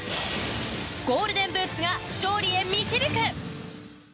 ゴールデンブーツが勝利へ導く！